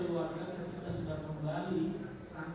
saya perlu menggunakan